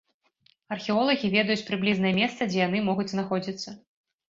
Археолагі ведаюць прыблізнае месца, дзе яны могуць знаходзіцца.